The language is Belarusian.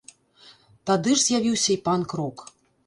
Тады ж з'явіўся і панк-рок.